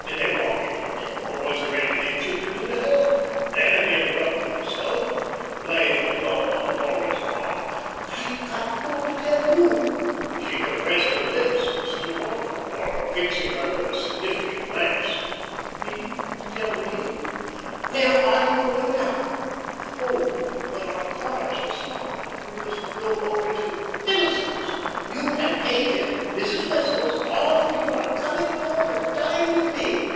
Did they want anything, or was there anything she could do to help? Then interrupting herself, and laying a glove on Laura's arm: "I've got more to tell you." She compressed her lips and stood off from Laura, fixing her with a significant glance. "Me? To tell me?" "Where are you going now?" "Home; but our cars are stopped. We must go over to " "Fiddlesticks! You and Page and Mrs. Wessels all of you are coming home and dine with me."